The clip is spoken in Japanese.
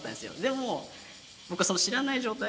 でも僕は知らない状態